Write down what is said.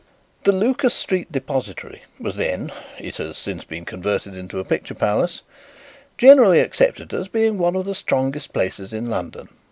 The Lucas Street depository was then (it has since been converted into a picture palace) generally accepted as being one of the strongest places in London.